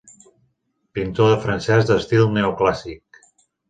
Pintor francès d'estil neoclàssic.